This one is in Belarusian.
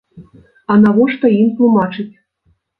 А навошта ім тлумачыць?